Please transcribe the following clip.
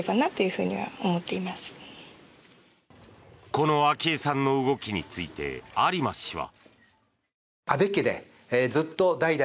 この昭恵さんの動きについて有馬氏は。